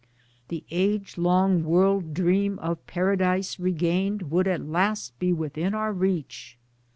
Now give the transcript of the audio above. The age long world dream of Paradise Regained would at last be within our reach.